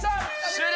終了。